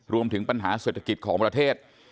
รวมถึงปัญหาเศรษฐกิจของประเทศ